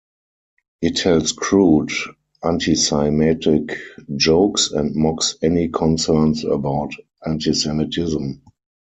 He tells crude antisemitic jokes and mocks any concerns about antisemitism.